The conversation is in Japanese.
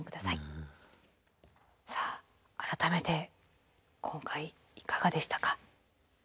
さあ改めて今回いかがでしたか？